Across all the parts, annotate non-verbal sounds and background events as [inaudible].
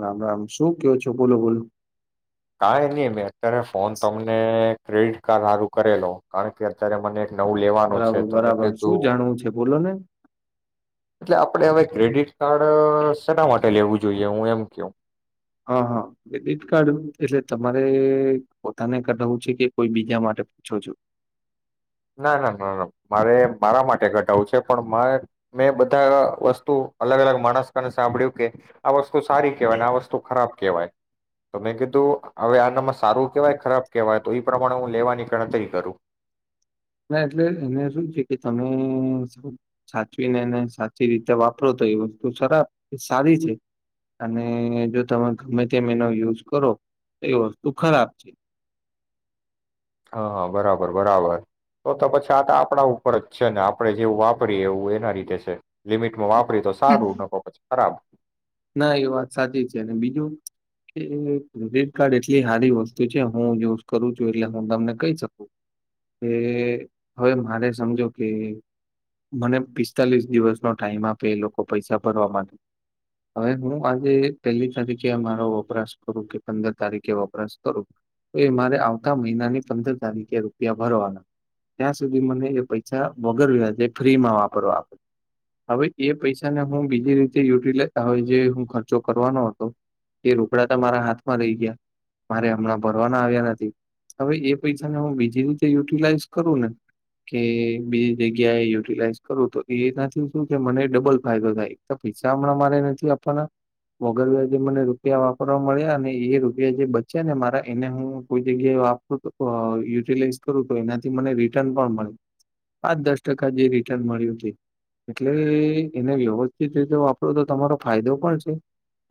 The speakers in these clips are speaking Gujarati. રામ-રામ, શું કયો છો બોલો બોલો. કાઈ નહી મેં અત્યારે ફોન તમને ક્રેડિટ કાર્ડ હારું કરેલો, કારણ કે અત્યારે મને નવું લેવાનું છે બરાબર તો મે બરાબર કીધું, શું જાણવું છે બોલો ને એટલે આપડ હવે ક્રેડિટ કાર્ડ સટા માટે લેવું જોઈએ હું એમ કેવ? હા હા, ક્રેડિટ કાર્ડ એટલે તમારે પોતાને કરઢાવું છે કે કોઈ બીજા માટે પૂછો છો? ના ના ના ના, મારે મારા માટે ઘટાવું છે પણ મેં બધા વસ્તુ અલગ અલગ માણસને સાંભળ્યું કે આ વસ્તુ સારી કેહેવાયને, આ વસ્તુ ખરાબ કેહેવાય, તો મેં કીધું હવે આનામાં સારું કેહેવાય, ખરાબ કેહેવાય તો એ પ્રમાણે હું લેવાની ગણતરી કરું. ના એટલે એને શું છે કે તમે સા સાચવીને અને સાચી રીતે વાપરો તો એ વસ્તુ ખરાબ સારી છે, અને જો તમે ગમે તેમ એનો યુઝ કરો તો એ વસ્તુ ખરાબ છે. હા હા બરાબર બરાબર, તો તો પછી આ તો આપણા ઉપર જ છે ને આપડે જેવું વાપરીએ એવું એના રીતે છે, લિમિટમાં વાપ રી તો સારું, ન કો પછી ખરાબ. ના એ વાત સાચી છે અને બીજું, કે ક્રેડિટ કાર્ડ એટલી સારી વસ્તુ છે હું યુઝ કરું છું એટલે હું તમને કહી શકું, કે હવે મારે સમજો કે મને પિસ્તાલીસ દિવસનો ટાઈમ આપે એ લોકો પૈસા ભરવા માટે. હવે હું આજે પહેલી તારીખે મારો વપરાશ કરું, કે પંદર તારીખે વપરાશ કરું, તો એ મારે આવતા મહિનાની પંદર તારીખે રૂપિયા ભરવાના, ત્યાં સુધી મને એ પૈસા વગર વ્યાજે ફ્રીમાં વાપરવા આપે, હવે એ પૈસાને હું બીજી રીતે યુટિલાઈઝ હવે જે હું ખર્ચો કરવાનો હતો, એ રોકડા મારા હાથમાં રહી ગ્યા, મારે હમણાં ભરવાના આવ્યા નથી, હવે એ પૈસાને હું બીજી રીતે યુટિલાઈઝ કરું ને કે બીજી જગ્યાએ યુટિલાઈઝ કરું તો એનાથી શું કે મને ડબલ ફાયદો થાય, એક પૈસા હમણાં મારે નથી આપવાના, વગર વ્યાજે મને રૂપિયા વાપરવા મળ્યા, અને એ રૂપિયા જે બચ્યા ને મારા એને હું કોઈ જગ્યાએ વાપરુ, યુટિલાઈઝ કરું તો એનાથી મને રિટર્ન પણ મળ્યું, પાંચ દસ ટકા જે રિટર્ન મળ્યું તે, એટલે એને વ્યવસ્થિત રીતે તો તો તમારો ફાયદો પણ છે,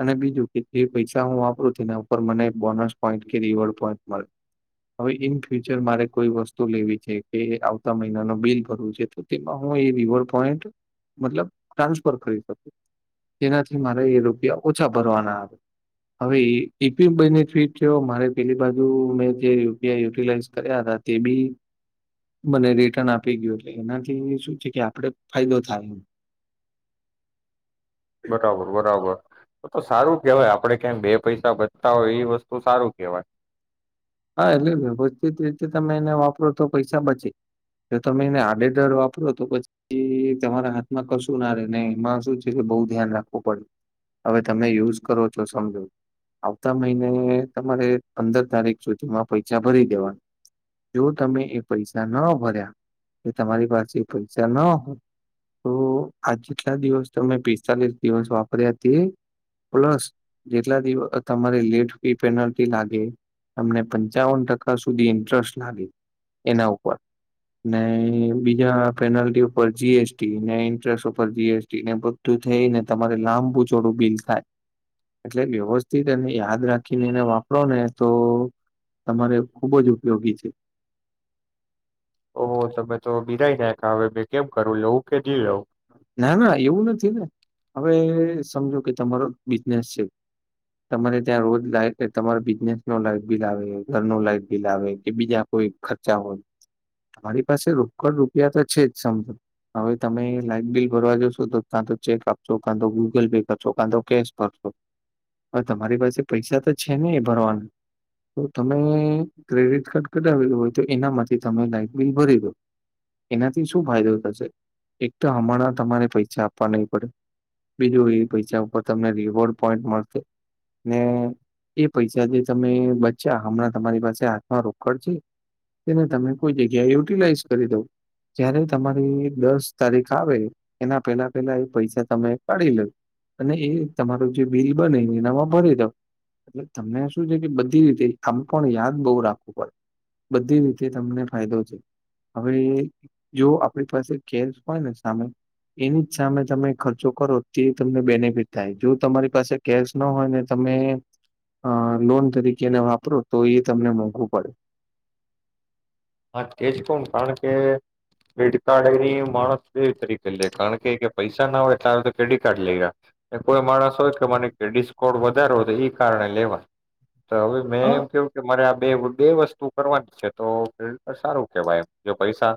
અને બીજું કે જે પૈસા હું વાપરું તેના ઉપર મને બોનસ પોઈન્ટ કે રિવોર્ડ પોઈન્ટ મળે, હવે ઈન ફ્યુચર મારે કોઈ વસ્તુ લેવી છે, કે આવતા મહિના નો બિલ ભરવું છે, તો તેમાં હું એ રિવોર્ડ પોઈન્ટ મતલબ ટ્રાન્સફર કરી શકૂ. તેનાથી મારે એ રૂપિયા ઓછા ભરવાના આવે, હવે એ [unintelligible] બેનિફિટ થ્યો મારે પેલી બાજુ મેં જે રૂપિયા યુટિલાઈઝ કર્યા હતા તે બી મને રિટર્ન આપી ગ્યું, એટલે એનાથી શું છે કે આપણે ફાયદો થાય એમ. બરાબર બરાબર. તો સારું કેહેવાય આપડે કયાંએ બે પૈસા બચતા હોય, એ વસ્તુ સારું કેહવાય. હા એટલે વ્યવસ્થિત રીતે તમે એને વાપરો તો પૈસા બચે, જો તમે એને આડે ડર વાપરો તો પછી તમારા હાથમાં કશું ના રે, ને એમાં શું છે બહુ ધ્યાન રાખવું પડે, હવે તમે યુઝ કરો છો સમજો આવતા મહિને તમારે પંદર તારીખ સુધીમા પૈસા ભરી દેવાના, જો તમે એ પૈસા ન ભર્યા, એ તમારી પાસે એ પૈસા ન હોય, તો આ જેટલા દિવસ તમે પિસ્તાલીસ દિવસ વાપર્યા તે પ્લસ જેટલા દિવ તમારે લેટ ફી પેનલ્ટી લાગે તમને પંચાવન ટકા સુધી ઇન્ટરેસ્ટ લાગે એના ઉપર, ને બીજા પેનલ્ટી ઉપર જી એસ ટી ને ઇન્ટરેસ્ટ ઉપર જી એસ ટી ને બધું થઈને તમારે લાંબુ ચોડું બિલ થાય. એટલે વ્યવસ્થિત એને યાદ રાખીને એને વાપરો ને તો તમારે ખૂબ જ ઉપયોગી છે. ઓહો તમે તો બિડાઈ નાઇખા, હવે મે કેમ કરું લવું કે ની લેવું? ના ના એવું નથી ને. હવે સમજો કે તમારો બિઝનેસ છે, તમારે ત્યાં રોજ [unintelligible] તમારો બિઝનેસ નો લાઈટ બિલ આવે, ઘર ન લાઈટ બિલ આવે, કે બીજા કોઈ ખર્ચા હોય, તમારી પાસે રોકડ રૂપિયા તો છે જ સમજો હવે તમે લાઈટ બિલ ભરવા જશો તો કા તો ચેક આપશો, કા તો ગૂગલ પે કરશો, કા તો કેશ ભરશો, હવે તમારી પાસે પૈસા તો છે ને એ ભરવાના, તો તમે ક્રેડિટ કાર્ડ કઢાવેલુ હોય તો એનામાંથી તમે લાાઈટ બિલ ભરી દો, એનાથી શું ફાયદો થશે, એક તો હમણાં તમારે પૈસા આપવા નહીં પડે, બીજું એ પૈસા ઉપર તમને રીવોર્ડ પોઈન્ટ મળશે ને એ પૈસા જે તમે બચ્યા હમણાં તમારી પાસે હાથમાં રોકડ છે તેને તમે કોઈ જગ્યાએ યુટિલાઈઝ કરી દવ, જ્યારે તમારી દસ તારીખ આવે એના પહેલા પેલા એ પૈસા તમે કાઢી લયો, અને એ તમારું જે બિલ બને એનામાં ભરી દો, એટલે તમને શું છે કે બધી રીતે આમ પણ યાદ બહુ રાખવું પડે, બધી રીતે તમને ફાયદો છે. હવે જો આપણી પાસે કેસ હોય ને સામે એની જ સામે તમે ખર્ચો કરો તે તમને બેનિફિટ થાય, જો તમારી પાસે કેશ ન હોય ને તમે અ લોન તરીકેને વાપરો તો એ તમને મોંઘું પડે. હા કેજ કઉન કાળકે, પેડકાડ [unintelligible] માણસ જેવી તરીક [unintelligible] કાળકે કે પૈસા ના હોય થા તો કેડીટ કાર્ડ લઈ ગા, ને કોઈ માણસ હોય તો મને ક્રેડિટ સ્કોડ વધારો તો એ કારણે લેવાય. તો હવે મેં અ એમ કેવું કે મારે આમ બેવ બે વસ્તુ કરવાની છે તો તો સારું કેવાય એમ, જો પૈસા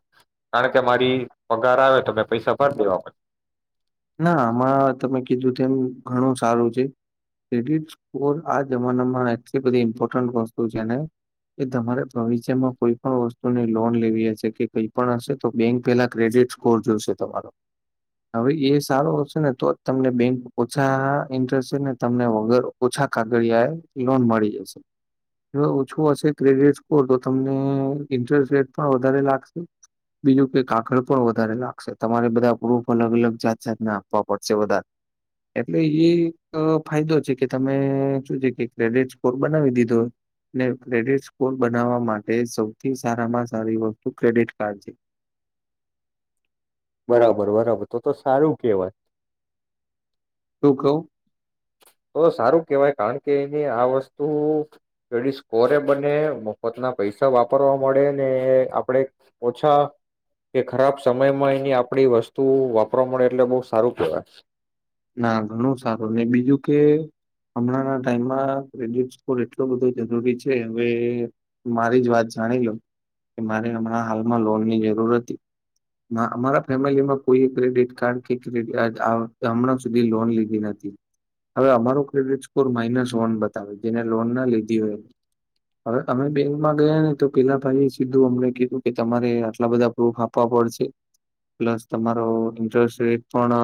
કારણ કે મારી પગાર આવે તો મેં પૈસા ભર દેવા પ ના આમાં તમે કીધું તેમ ઘણું સારું છે, ક્રેડિટ સ્કોર આ જમાનામાં એટલી બધી ઇમ્પોર્ટન્ટ વસ્તુ છે ને, કે તમારે ભવિષ્યમાં કોઈ પણ વસ્તુની લોન લેવી હશે કે કઈ પણ હશે તો બેંક પેલા ક્રેડિટ સ્કોર જોશે તમારો, હવે એ સારો હશે ને તો જ તમને બેંક ઓછા ઇન્ટરેસ્ટે ને તમને વગર ઓછા કાગળિયા એ લોન મળી જશે. જો ઓછું હશે ક્રેડિટ સ્કોર તો તમને ઇન્ટરેસ્ટ રેટ પણ વધારે લાગશે, બીજું કે કાગળ પણ વધારે લાગશે. તમારે બધા પ્રૂફ અલગ અલગ જાત જાતના આપવા પડશે વધારે, એટલે એ એક ફાયદો છે કે તમે, શું છે કે ક્રેડિટ સ્કોર બનાવી દીધો, ને ક્રેડિટ સ્કોર બનાવવા માટે સૌથી સારામાં સારી વસ્તુ ક્રેડિટ કાર્ડ છે. બરાબર બરાબર તો તો સારું કેહવાય. રૂકવ તો સારું કેહવાય, કાળ કે જે આ વસ્તુ ક્રેડિટ સ્કોરે બને, મફતના પૈસા વાપરવા મળે ને આપણે ઓછા કે ખરાબ સમયમાં એની આપણી વસ્તુ વાપરવા મળે એટલે બહુ સારું કેહવાય. ના ઘણું સારું. ને બીજું કે હમણાં ના ટાઈમમાં ક્રેડિટ સ્કોર એટલો બધો જરૂરી છે હવે મારી જ વાત જાણી લઉ, કે મારે હમણાં હાલમાં લોનની જરૂર હતી ના અમારા ફેમિલીમાં કોઈ ક્રેડિટ કાર્ડ કે [unintelligible] હમણાં સુ ની લોન લીધી હતી હવે અમારો ક્રેડિટ સ્કોર માઇનસ વન બતાવે જેને લોન ના લીધી હોય હવે અમે બેંકમાં ગયા ને તો પેલા ભાઈ સીધું અમને કીધું કે તમારે આટલા બધા પ્રૂફ આપવા પડશે પ્લસ તમારો ઇન્ટરેસ્ટ રેટ પણ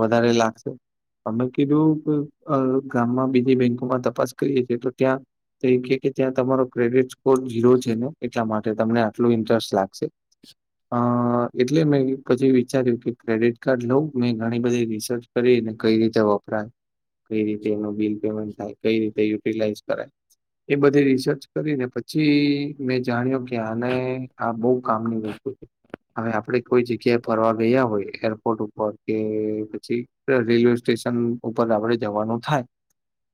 વધારે લાગશે અમે કિધુ કે જો ગામમાં બીજી બેંકોમાં તપાસ કરીએ છીએ તો ત્યાં એ કે ત્યાં તમારો ક્રેડિટ ફ જીરો છે ને એટલા માટે. તમને આટલું ઇન્ટરેસ્ટ લાગશે અ એટલે મેં પછી વિચાર્યું કે ક્રેડિટ કાર્ડ લઉ મેં ઘણી બધી રિસર્ચ કરી કઈ રીતે વપરાય કઈ રીતે એનું બિલ પેમેન્ટ થાય કઈ રીતે યુટિલાઈઝ કરાય એ બધી રિસર્ચ કરીને પછી મેં જાણ્યો કે આને આ બહુ કામની વસ્તુ છે. હવે આપણે કોઈ જગ્યાએ ફરવા ગયા હોય એરપોર્ટ ઉપર કે પછી રેલવે સ્ટેશન ઉપર આપણે જવાનું થાય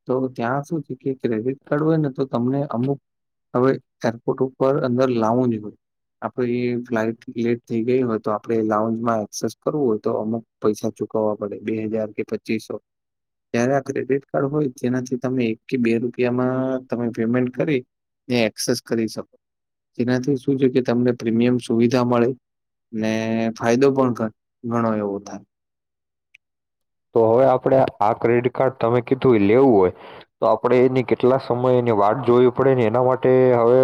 તો ત્યાં શું છે કે ક્રેડિટ કાર્ડ હોય ને તો તમને અમુક હવે એરપોર્ટ ઉપર અંદર લાવઉ જ હોય આપણે એ ફ્લાઈટ લેટ થઈ ગઈ હોય તો આપડણે લાઉજમાં એક્સેસ કરવું હોય તો અમુક પૈસા ચૂકવવા પડે. બે હજાર કે પચીસો જય્યારે આ ક્રેડિટ કાર્ડ હોય તેનાથી તમે એક કે બે રૂપિયામાં તમે પેમેન્ટ કરી ને એક્સેસ કરી શકો જેનાથી શું છે કે તમને પ્રીમિયમ સુવિધા મળે ને ફાયદો પણ ઘણો એવો થાય. તો હવે આપડણે આ ક્રેડિટ કાર્ડ તમે કીધું લેવું હોય તો આપણેે એની કેટલા સમય એની વાત જોવી પડે ને એના માટે હવે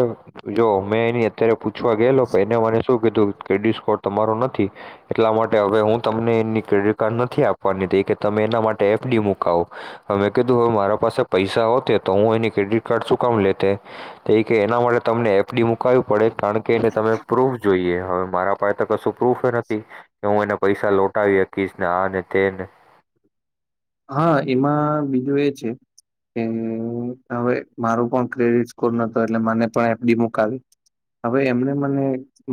જો મેં એની અત્યારે પૂછવા ગયેલો પણ એને મને શું કીધું ક્રેડિટ સ્કોર તમારો નથી એટલા માટે હવે હું તમને એની ક્રેડિટ કાર્ડ નથી આપ. વાની કે તમે એના માટે એફડી મુકાવો અમે કીધું હવે મારા પાસે પૈસા હોતે તો હું એની ક્રેડિટ કાર્ડ ચુકામ લેતે તે કે એના માટે તમને એફડી મુકાવવી પડે. કારણ કે એને તમે પ્રૂફ જોઈએ હવે મારા પાસે. ત સુ. પ્રૂફ નથી કે હું એને. પૈસા લોટાવીકીશ ને આ તેન હા એમાં બીજું એ છે કે હવે મારો પણ ક્રેડિટ સ્કોર નતો એટલે મને પણ એફડી મુકાવી હવે એમને મને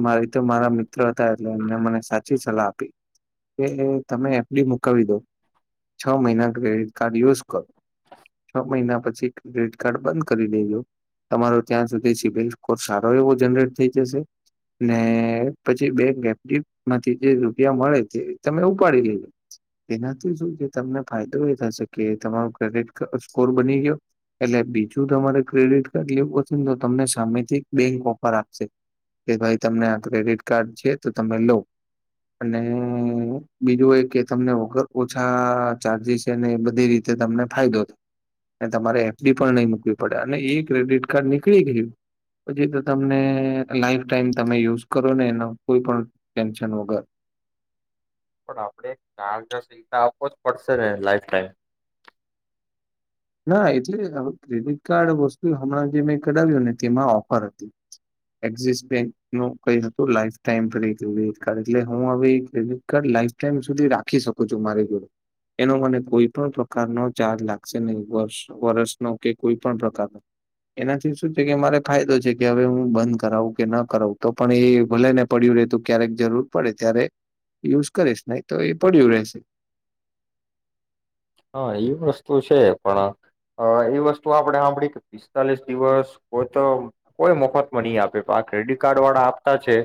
મારી તો મારા મ્ હતા એટલે એમને મને સાચી સલાહ આપી કે તમે એપડી મુકાવી દો છ મહિના ક્રેડિટ કાર્ડ યુઝ કરો છ મહિના પછી ક્રેડિટ કાર્ડ બંધ કરી દેજો તમારો ત્યાં સુધી સિવિલ સ્કોર સારો એવો જનરેટ થઈ જશે ને પછી બે ગેપડીટ માંથી જે રૂપિયા મળે તે તમે ઉપાડી લેજો તેનાથી શું છે તમને ફાયદો એ થશે કે તમારોું ક્રેડિટ સ્કોર બની ગયો એટલે બીજું તમારે ક્રેડિટ કાર્ડ લેવું પશે ને તો તમને સામેથી બેંક ઓફર આપશે કે ભાઈ તમને આ ક્રેડિટ કાર્ડ છે તો તમે લો અને બીજું એ કે તમને વગર ઓછા ચાર્જિસ છેને એ બધી રીતે તમને ફાયદો થાય અને તમારે એફડી પણ નહીં મુૂકવી પડે અને એ ક્રેડિટ કાર્ડ નીકળી ગયું પછી તો તમને લાઈફ ટાઈમ તમે યુઝ કરો ને એનો કોઈ પણ ટેન્શન વગર પણ આપણેે ચાર્જ ને સતા આપવો જ પડશે ને લાઈફ ટાઈમ. ના એટલે હવે ક્રેડિટ કાર્ડ વસ્તુ હમણાં જે મેં કરાવ્યું ને તેમાં ઓફર હતી એક્સિસ બેંક નુ કઈ હતું લાઈફ ટાઈમ ફ કડિટ કાર્ એટલે હું હવે કડિટ કાર્ડ લાઈફ ટાઈમ સુધી રાખી શકું છું મારી જોડે એનો મને કોઈ પણ પ્રકારનો ચાર્જ લાગશે. કે નહી વર્ષ વરષનો કે કોઈ પણ પ્રકારનો એનાથી શું છે કે મારે ફાયદો છે કે હવે હું બંધ કરાવું કે ન કરાવું તો પણ એ ભલે ને પડ્યું રહેતું ક્યારેક જરૂર પડે ત્યારે યુઝ કરીશ નહી તો એ પડ્યું રહેશે. હા એ વસ્તુ છે પણ એ વસ્તુ આપણે સાંભળી કે પિસ્તાલીસ દિવસ કો તો કોઈ મફત નહી આપે આ ક્રેડિટ કાર્ડ વાળા આપતા છે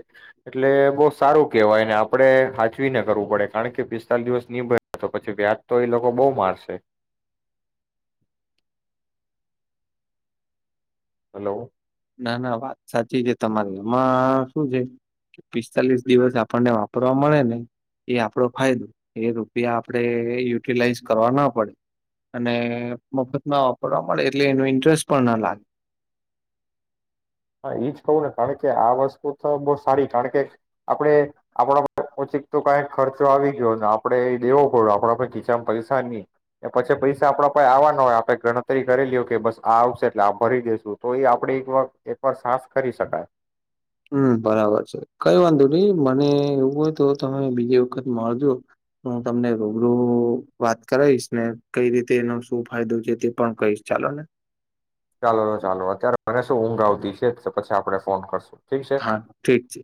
એટલે બહુ સારું કેહેવાયને આપડે સાચવીને કરવું પડે કારણ કે પિસ્તાલીસ દિવસ નિનીભર તો પછી વ્યાજ તો એ લોકો. બહુ મારશે. હલો. ના ના વાત સાચી છે તમારી એમાં શું છે પિસ્તાલીસ દિવસ આપણને વાપરવા મળે ને એ આપડો ફાયદો એ રૂપિયા આપણેે યુટિલાઈઝ કરવા ના પડે અને મફતમાં વાપરવા મળે એટલે એનો ઇન્ટરેસ્ટ પણ ના લાગે. હા એજ કહું ને કારણ કે આ વસ્તુ તો બહુ સારી કારણ કે આપે આપણા ઓચીક તો કંઈક ખર્ચો આવી ગયો ને આપડે એ દેવો પડ આપણા પ ખીચામાં પૈસા નહી પછી પૈસા આપડા પસે આવવા ના હોય આપે ગણતરી કરેલી હો કે બસ આ આવશે એટલે આપ ભરી દેસું તો એ આપણે એક વા એ પણ સાસ કરી શકાય. હમ બરાબર છે કઈ વાંધો નહી મને એવું હોય તો તમે બીજી વખત મળજો હું તમને રૂબરૂ વાત કરાવીશ ને કઈ રીતે એનો શું ફાયદો છે તે પણ કહીશ ચાલો ને. ચાલો ચાલો અત્યારે મને શું ઊંઘ આવતી છે જ તો પછી આપડે ફોન કરશું. ઠીક છે હા ઠીક છે.